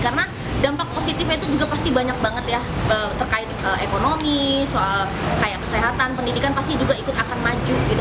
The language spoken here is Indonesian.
karena dampak positifnya itu juga pasti banyak banget ya terkait ekonomi soal kayak kesehatan pendidikan pasti juga ikut akan maju gitu